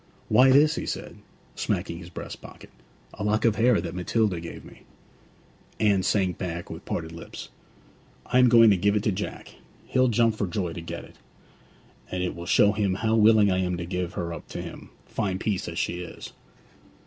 'Why, this,' he said, smacking his breast pocket. 'A lock of hair that Matilda gave me.' Anne sank back with parted lips. 'I am going to give it to Jack he'll jump for joy to get it! And it will show him how willing I am to give her up to him, fine piece as she is.'